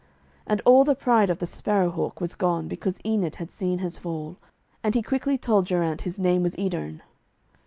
And all the pride of the Sparrow hawk was gone because Enid had seen his fall, and he quickly told Geraint his name was Edyrn.